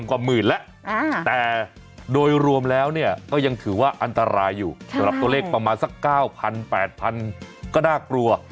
คือรวมแล้วเนี่ยก็ยังถือว่าอันตรายอยู่สำหรับตัวเลขประมาณสัก๙๐๐๐๘๐๐๐ก็น่ากลัว